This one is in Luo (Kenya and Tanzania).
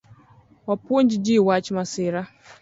Wapuonj ji wach masira